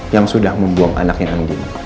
yang sudah membuang anaknya andin